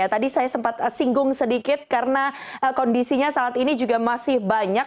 tadi saya sempat singgung sedikit karena kondisinya saat ini juga masih banyak